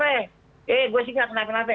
eh gue sih nggak kenapa kenapa